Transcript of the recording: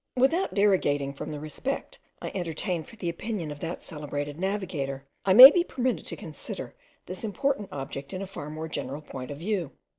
Without derogating from the respect I entertain for the opinion of that celebrated navigator, I may be permitted to consider this important object in a far more general point of view.